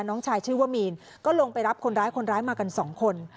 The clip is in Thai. น้องชายชื่อว่ามีนก็ลงไปรับคนร้ายคนร้ายมากันสองคน